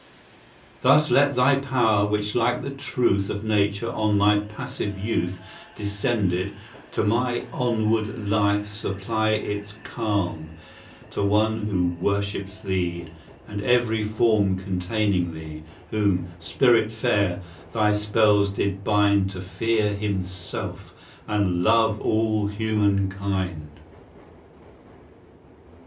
Thus let thy power, which like the truth Of nature on my passive youth Descended, to my onward life supply Its calm to one who worships thee, And every form containing thee, Whom, Spirit fair, thy spells did bind To fear himself, and love all human kind.